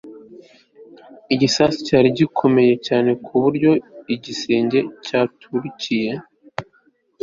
igisasu cyari gikomeye cyane ku buryo igisenge cyaturikiye